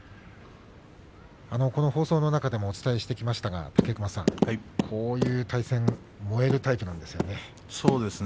放送の中でもお伝えしましたが武隈さんこういう対戦燃えるタイプなんですよね。